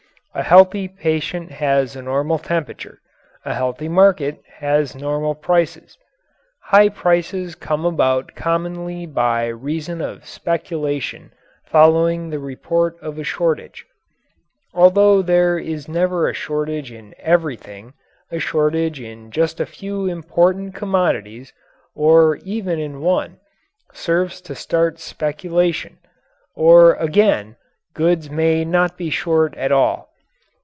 A healthy patient has a normal temperature; a healthy market has normal prices. High prices come about commonly by reason of speculation following the report of a shortage. Although there is never a shortage in everything, a shortage in just a few important commodities, or even in one, serves to start speculation. Or again, goods may not be short at all.